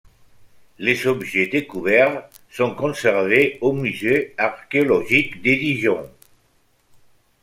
Les objets découverts sont conservés au musée archéologique de Dijon.